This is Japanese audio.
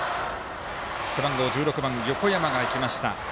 背番号１６番、横山が行きました。